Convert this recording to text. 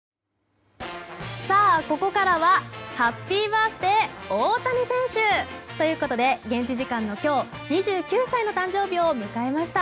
さあ、ここからはハッピーバースデー、大谷選手！ということで現地時間の今日２９歳の誕生日を迎えました。